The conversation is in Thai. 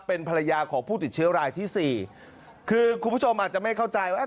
เป็นภรรยาของผู้ติดเชื้อรายที่สี่คือคุณผู้ชมอาจจะไม่เข้าใจว่า